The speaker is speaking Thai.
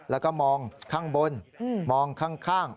แล้วก็มองข้างบนมองข้าง